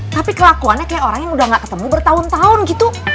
tapi kelakuannya kayak orang yang udah gak ketemu bertahun tahun gitu